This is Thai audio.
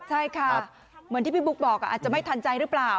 ใช่ครับเหมือนที่พี่บุ๊คบอกอาจจะไม่ทันใจหรือเปล่า